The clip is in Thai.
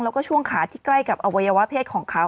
แล้วก็ช่วงขาที่ใกล้กับอวัยวะเพศของเขา